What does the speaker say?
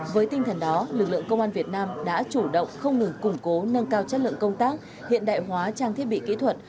với tinh thần đó lực lượng công an việt nam đã chủ động không ngừng củng cố nâng cao chất lượng công tác hiện đại hóa trang thiết bị kỹ thuật